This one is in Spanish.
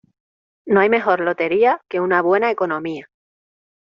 No hay mejor lotería que una buena economía.